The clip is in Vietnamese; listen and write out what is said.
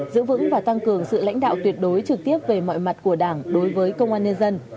giữ vững và tăng cường sự lãnh đạo tuyệt đối trực tiếp về mọi mặt của đảng đối với công an nhân dân